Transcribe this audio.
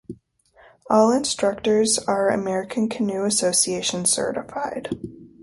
All instructors are American Canoe Association certified.